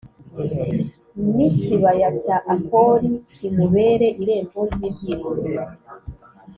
N ikibaya cya akori k kimubere irembo ry ibyiringiro